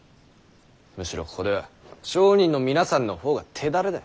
むしろここでは商人の皆さんの方が手だれだ。